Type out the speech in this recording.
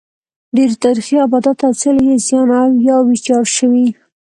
ډېری تاریخي ابدات او څلي یې زیان او یا ویجاړ شوي.